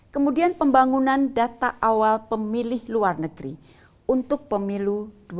kemudian pembangunan data awal pemilih luar negeri untuk pemilu dua ribu dua puluh empat